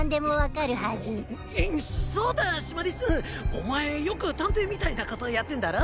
お前よく探偵みたいなことやってんだろ？